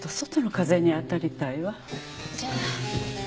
じゃあ。